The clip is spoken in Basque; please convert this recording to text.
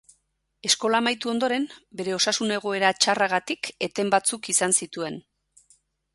Eskola amaitu ondoren, bere osasun-egoera txarragatik eten batzuk izan zituen.